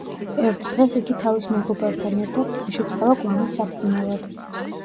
ერთ დღეს იგი თავის მეგობართან ერთად ტყეში წავა გვამის საპოვნელად.